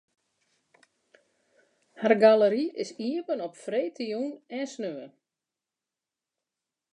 Har galery is iepen op freedtejûn en saterdei.